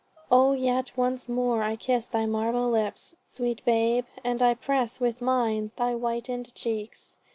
Oh yet once more I kiss thy marble lips, Sweet babe I and press with mine thy whitened cheeks.